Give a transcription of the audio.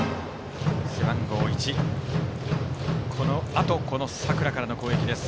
背番号１、このあと佐倉からの攻撃です。